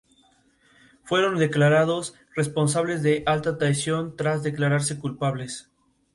Fueron declarados responsables de alta traición tras declararse culpables.